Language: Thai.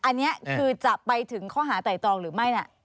อันนี้คือจะไปถึงข้อหาไต่ตรองหรือไม่นะ